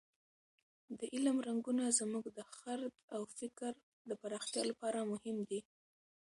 د علم رنګونه زموږ د خرد او فکر د پراختیا لپاره مهم دي.